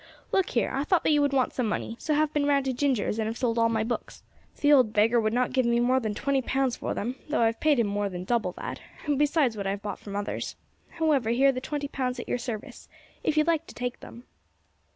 Look here, I thought that you would want some money, so have been round to Ginger's and have sold all my books. The old beggar would not give me more than twenty pounds for them, though I have paid him more than double that, besides what I have bought from others. However, here are the twenty pounds at your service, if you like to take them."